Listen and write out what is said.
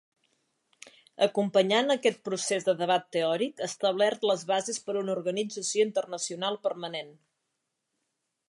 Acompanyant aquest procés de debat teòric establert les bases per a una organització internacional permanent.